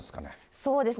そうですね。